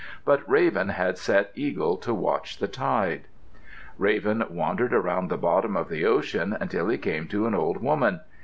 But Raven had set Eagle to watch the tide. Raven wandered around the bottom of the ocean until he came to an old woman.